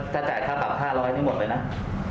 ถ้าจ่ายค่าปรับ๕๐๐นี่หมดเลยนะ